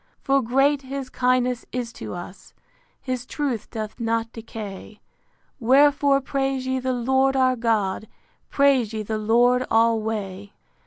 For great his kindness is to us; His truth doth not decay: Wherefore praise ye the Lord our God; Praise ye the Lord alway.